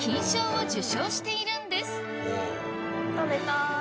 食べたい。